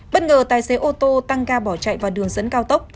bất ngờ tài xế ô tô tăng ga bỏ chạy vào đường dẫn cao tốc